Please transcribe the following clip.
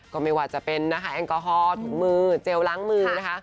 ก็ไม่ว่าจะเป็นแอลกอฮอล์ถุงมือเจลล้างมือ